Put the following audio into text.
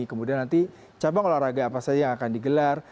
kemudian nanti cabang olahraga apa saja yang akan digelar